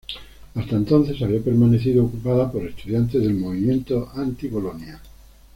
Hasta entonces había permanecido ocupada por estudiantes del movimiento anti-Bolonia.